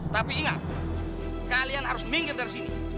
tapi ingat kalian harus minggir dari sini